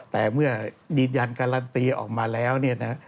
แต่เมื่อยืนยันการันตีออกมาแล้วเนี่ยนะ